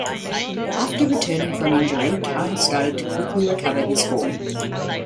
After returning from injury, Cana started to quickly recover his form.